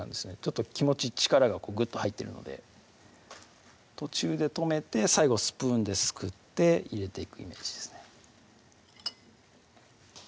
気持ち力がグッと入ってるので途中で止めて最後スプーンですくって入れていくイメージですね